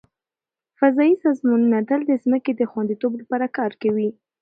فضایي سازمانونه تل د ځمکې د خوندیتوب لپاره کار کوي.